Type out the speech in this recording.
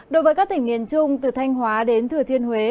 đối với các tỉnh miền trung từ thanh hóa đến thừa thiên huế